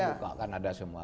buka kan ada semua